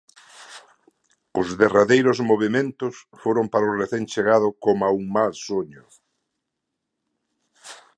Os derradeiros movementos foron para o recén chegado coma un mal soño.